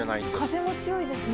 風も強いですね。